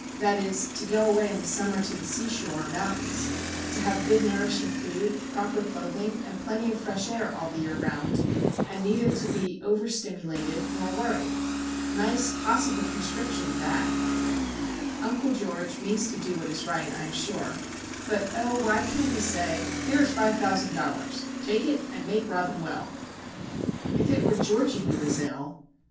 That is, to go away in the summer to the seashore or mountains, to have good nourishing food, proper clothing, and plenty of fresh air all the year round, and neither to be overstimulated nor worried. Nice possible prescription, that! Uncle George means to do what is right, I am sure; but, oh, why can't he say,— "Here is $5,000. Take it, and make Robin well." If it were Georgie who was ill!